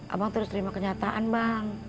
abang terus terima kenyataan bang